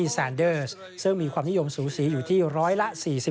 ซึ่งมีความนิยมสูสีอยู่ที่ร้อยละ๔๒